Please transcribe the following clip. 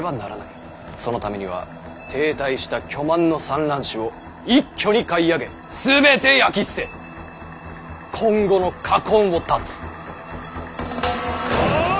そのためには停滞した巨万の蚕卵紙を一挙に買い上げ全て焼き捨て今後の禍根を断つ」。